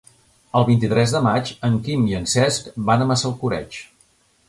El vint-i-tres de maig en Quim i en Cesc van a Massalcoreig.